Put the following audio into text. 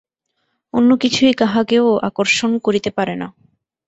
অন্য কিছুই কাহাকেও আকর্ষণ করিতে পারে না।